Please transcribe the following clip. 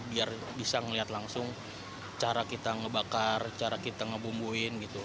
biar bisa ngelihat langsung cara kita ngebakar cara kita ngebumbuin gitu